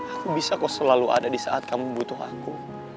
aku bisa kok selalu ada di saat kamu butuh aku